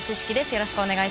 よろしくお願いします。